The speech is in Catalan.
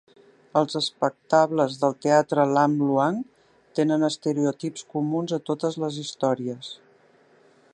Els espectables del teatre Lam Luang tenen estereotips comuns a totes les històries.